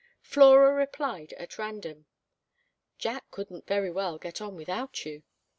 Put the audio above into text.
Flora replied at random. "Jack couldn't very well get on without you."